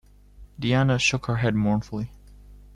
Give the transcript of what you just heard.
Diana shook her head mournfully.